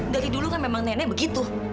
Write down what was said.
dari dulu kan memang nenek begitu